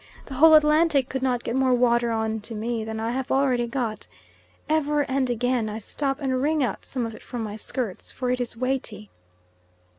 The whole Atlantic could not get more water on to me than I have already got. Ever and again I stop and wring out some of it from my skirts, for it is weighty.